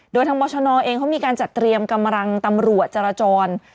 โดยทางบรชนเองเขามีการจัดเตรียมกำลังตำรวจจรจร